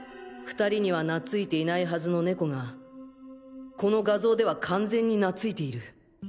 ２人にはなついていないはずの猫がこの画像では完全になついている。